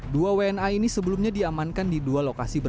dua wna ini sebelumnya diamankan di dua lokasi berbeda